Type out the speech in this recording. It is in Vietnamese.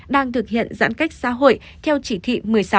đang thực hiện giãn cách xã hội theo chỉ thị một mươi sáu